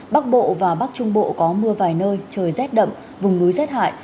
bắc bộ và bắc trung bộ có mưa vài nơi trời rét đậm vùng núi rét hại